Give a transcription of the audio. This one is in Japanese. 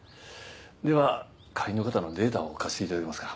では会員の方のデータを貸して頂けますか？